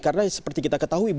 karena seperti kita ketahui bahwa